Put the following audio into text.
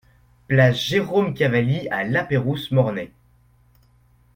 Place Jérôme Cavalli à Lapeyrouse-Mornay